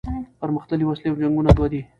پرمختللي وسلې او جنګونه دوه دي.